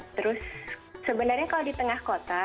terus sebenarnya kalau di tengah kota